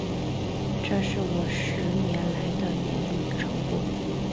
这是我十年来的研究成果